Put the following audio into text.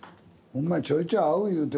お前「ちょいちょい会う」